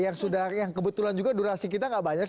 yang kebetulan juga durasi kita gak banyak